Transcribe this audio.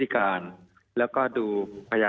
มีความรู้สึกว่ามีความรู้สึกว่า